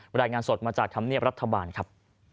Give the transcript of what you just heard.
รายงานสดมาจากธรรมเนียบรัฐบาลครับ